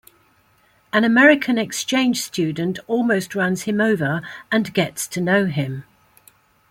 An American exchange student almost runs him over and gets to know him.